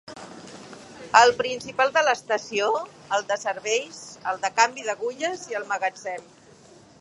El principal de l'estació, el de serveis, el de canvi d'agulles i el magatzem.